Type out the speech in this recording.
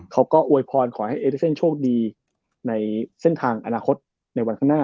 เขาก็อวยพรขอให้เอลิเซนต์โชคดีในเส้นทางอนาคตในวันข้างหน้า